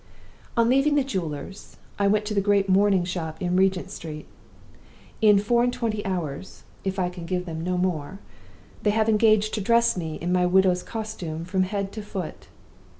"On leaving the jeweler's, I went to the great mourning shop in Regent Street. In four and twenty hours (if I can give them no more) they have engaged to dress me in my widow's costume from head to foot.